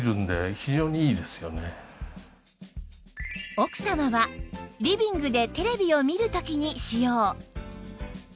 奥様はリビングでテレビを見る時に使用